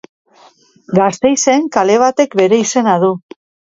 Gasteizen kale batek bere izena du.